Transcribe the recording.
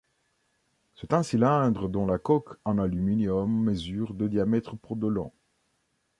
C'est un cylindre dont la coque en aluminium mesure de diamètre pour de long.